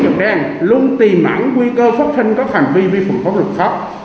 dùng đen luôn tiềm ẩn quy cơ phát sinh các hành vi vi phạm pháp luật khác